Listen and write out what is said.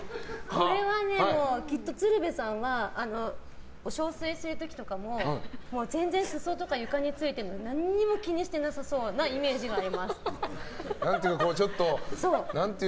これはね、きっと鶴瓶さんはお小水する時とかも全然裾とか床についても何も気にしてなさそうなイメージがあります。